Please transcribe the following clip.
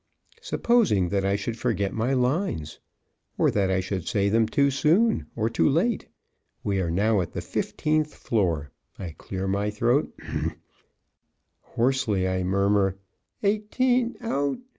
Supposing that I should forget my lines! Or that I should say them too soon! Or too late! We are now at the fifteenth floor. I clear my throat. Sixteen! Hoarsely I murmur, "Eighteen out."